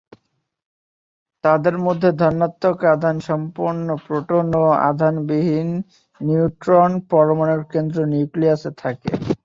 তাদের মধ্যে ধনাত্মক আধান সম্পন্ন প্রোটন ও আধান বিহীন নিউট্রন পরমাণুর কেন্দ্র নিউক্লিয়াসে থাকে।